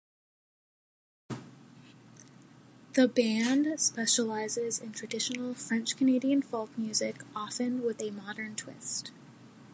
The band specializes in traditional French Canadian folk music, often with a modern twist.